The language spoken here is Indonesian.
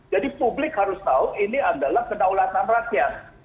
jadi publik harus tahu ini adalah kedaulatan rakyat